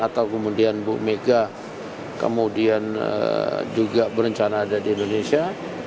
atau kemudian bu mega kemudian juga berencana ada di indonesia